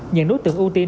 những đối tượng ưu tiên